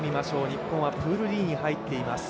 日本はプールＤに入っています。